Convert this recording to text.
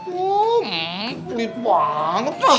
pelit banget tuh